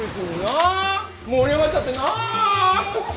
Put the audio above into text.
盛り上がっちゃってなぁ？ねぇ？